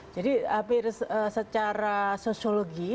jadi hampir secara sosiologi